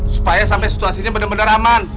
supaya sampai situasinya benar benar aman